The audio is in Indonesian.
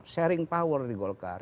sharing power di golkar